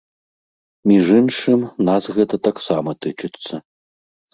Між іншым, нас гэта таксама тычыцца.